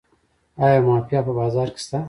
آیا مافیا په بازار کې شته؟